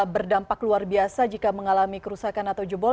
berdampak luar biasa jika mengalami kerusakan atau jebol